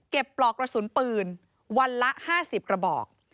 ปลอกกระสุนปืนวันละ๕๐กระบอก